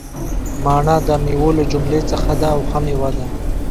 مڼه دمیوو له جملي څخه ده او ښه میوه ده